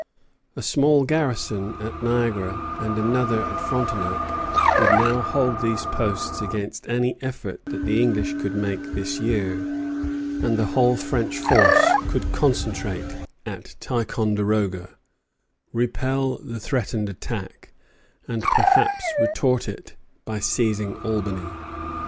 A small garrison at Niagara and another at Frontenac would now hold those posts against any effort that the English could make this year; and the whole French force could concentrate at Ticonderoga, repel the threatened attack, and perhaps retort it by seizing Albany.